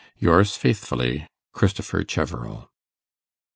Yours faithfully, 'CHRISTOPHER CHEVEREL.